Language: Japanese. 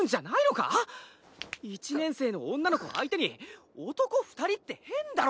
パキッ１年生の女の子相手に男二人って変だろ！